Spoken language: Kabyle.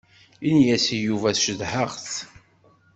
Ini-as i Yuba cedhaɣ-t.